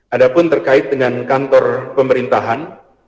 ada pun terkait dengan kantor pemerintahan